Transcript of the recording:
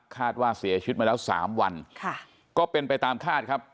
คาดว่าเสียชีวิตมาแล้ว๓วันก็เป็นไปตามคาดครับ